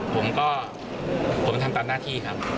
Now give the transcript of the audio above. ผมก็ผมทำตามหน้าที่ครับ